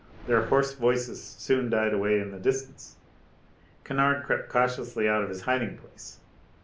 Their hoarse voices soon died away in the distance. Kennard crept cautiously out of his hiding place.